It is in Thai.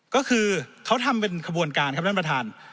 ก็คือเขาทำเป็นขบวนการท่านบทธาร